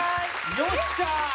よっしゃー！